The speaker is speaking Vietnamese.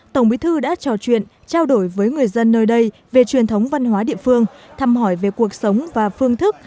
tổng bí thư đã trò chuyện trao đổi với người dân nơi đây về truyền thống văn hóa địa phương thăm hỏi về cuộc sống và phương thức